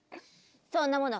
そんなもの